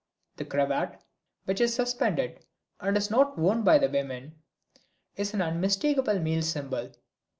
The cravat, which is suspended and is not worn by women, is an unmistakable male symbol.